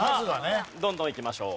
どんどんいきましょう。